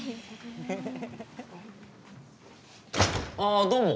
あどうも。